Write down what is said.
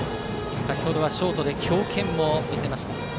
先程はショートで強肩も見せました。